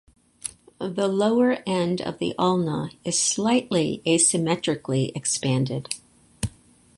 The lower end of the ulna is slightly asymmetrically expanded.